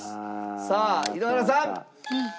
さあ井ノ原さん！ああ。